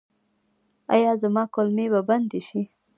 ایا زما کولمې به بندې شي؟